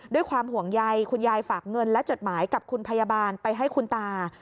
ด้วยความห่วงใยคุณยายฝากเงินและจดหมายกับคุณพยาบาลไปให้คุณตา